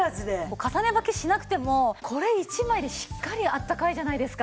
重ねばきしなくてもこれ１枚でしっかりあったかいじゃないですか。